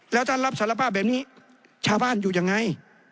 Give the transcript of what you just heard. แล้วท่านรับสารภาพแบบนี้ชาวบ้านอยู่ยังไง